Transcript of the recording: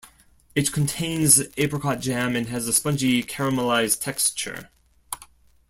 It contains apricot jam and has a spongy caramelized texture.